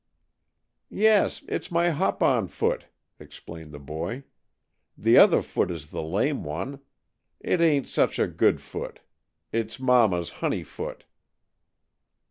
"Yes. It's my hop on foot," explained the boy. "The other foot is the lame one. It ain't such a good foot. It's Mama's honey foot."